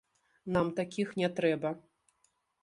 Нам такіх не трэба.